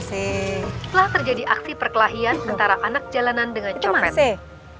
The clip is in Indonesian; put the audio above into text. setelah terjadi aksi perkelahian antara anak jalanan dengan cemaret